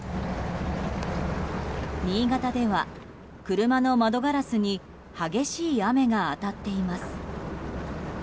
新潟では車の窓ガラスに激しい雨が当たっています。